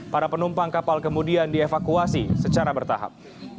para penumpang kapal kemudian dievakuasi secara bertahap